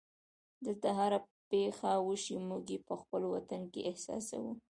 دلته هره پېښه وشي موږ یې په خپل وطن کې احساسوو.